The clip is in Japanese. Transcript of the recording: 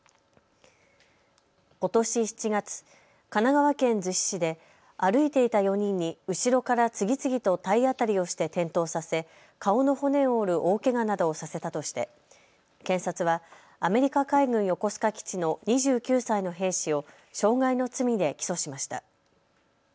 ことし７月、神奈川県逗子市で歩いていた４人に後ろから次々と体当たりをして転倒させ顔の骨を折る大けがなどをさせたとして検察はアメリカ海軍横須賀基地の２９歳の兵士を傷害の罪で起訴しました。